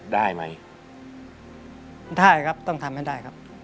ได้ไหมได้ครับต้องทำให้ได้ครับ